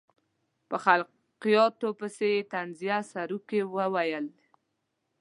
په خلقیاتو پسې یې طنزیه سروکي وویل.